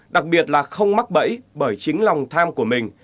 đặc biệt là không mắc bẫy bởi chính lòng tham của mình